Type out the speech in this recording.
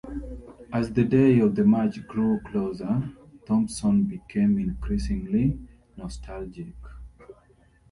As the day of the match grew closer, Thompson became increasingly nostalgic.